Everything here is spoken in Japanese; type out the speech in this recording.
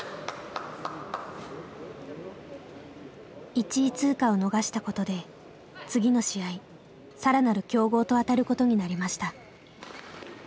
１位通過を逃したことで次の試合更なる強豪と当たることになりました。